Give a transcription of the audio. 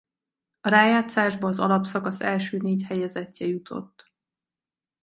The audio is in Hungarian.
Az rájátszásba az alapszakasz első négy helyezettje jutott.